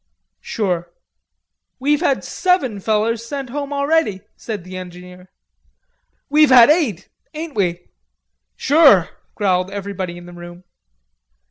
"Sure." "We've had seven fellers sent home already," said the engineer. "We've had eight. Ain't we?" "Sure," growled everybody in the room.